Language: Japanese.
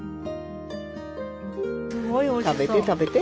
食べて食べて。